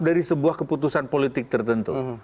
dari sebuah keputusan politik tertentu